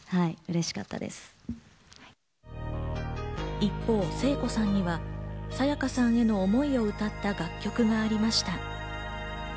一方、聖子さんには沙也加さんへの思いを歌った楽曲がありました。